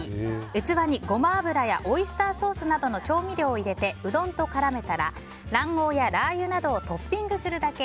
器にゴマ油やオイスターソースなどの調味料を入れてうどんと絡めたら卵黄やラー油などをトッピングするだけ。